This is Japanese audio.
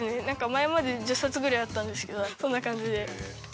前まで１０冊ぐらいあったんですけどそんな感じで。